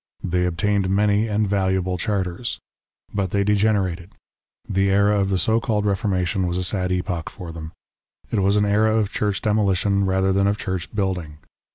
They obtained many and valuable charters. Bat they degenerated. The era of the so called Reformation was a sad epoch for them. It was an era of Church demolition rather than of Church building.